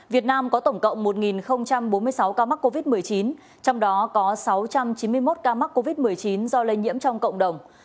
việt nam có tổng cộng một bốn mươi sáu ca mắc covid một mươi chín trong đó có sáu trăm chín mươi một ca mắc covid một mươi chín do lây nhiễm trong cộng đồng